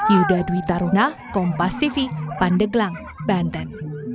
yuda dwi taruna kompas tv pandeglang banten